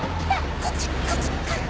こっちこっち！来た！